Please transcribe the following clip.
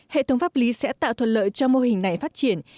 hệ thống pháp lý sẽ tạo thuận lợi cho mô hình này phát triển